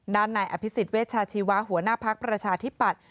ด้านนายอภิษฐ์เวชชาชีวะหัวหน้าพักประชาธิปัตย์